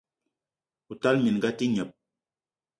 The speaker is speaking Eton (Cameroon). O tala minga a te gneb!